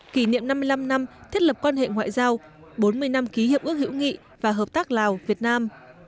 kỷ niệm năm mươi năm năm thiết lập quan hệ ngoại giao bốn mươi năm ký hiệp ước hữu nghị và hợp tác lào việt nam